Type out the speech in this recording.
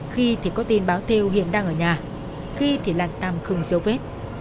khi thì có tin báo thêu hiện đang ở nhà khi thì là tàm khừng dấu vết